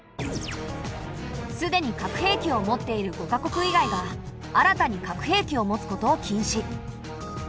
すでに核兵器を持っている５か国以外が新たに核兵器を持つことを禁止。